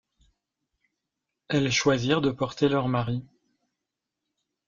Elles choisirent de porter leur mari.